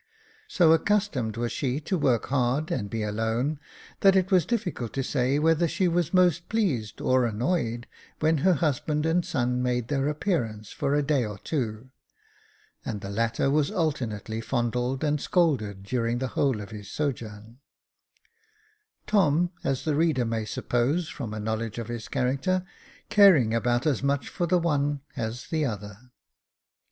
So accustomed was she to work hard and be alone, that it was difficult to say whether she was most pleased or most annoyed when her husband and son made their appearance for a day or two, and the latter was alternately fondled and scolded during the whole of his sojourn ; Tom, as the reader may suppose from a knowledge of his character, caring about as much for the one as the other.